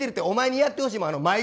お前にやってほしいもん。